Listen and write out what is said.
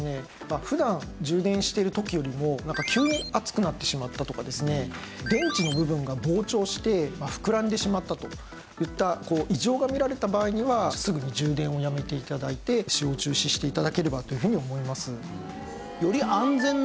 普段充電している時よりも急に熱くなってしまったとかですね電池の部分が膨張して膨らんでしまったといった異常が見られた場合にはすぐに充電をやめて頂いて使用を中止して頂ければというふうに思います。